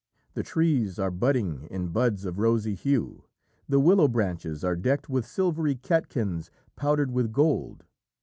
The trees are budding in buds of rosy hue, the willow branches are decked with silvery catkins powdered with gold.